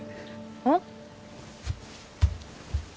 うん？